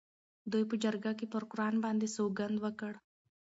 دوی په جرګه کې پر قرآن باندې سوګند وکړ.